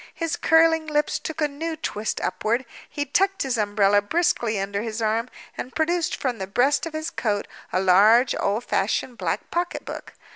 His curling lips took a new twist upward; he tucked his umbrella briskly under his arm; and produced from the breast of his coat a large old fashioned black pocketbook.